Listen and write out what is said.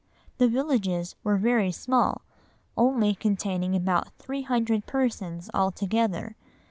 The villages were very small, only containing about three hundred persons altogether.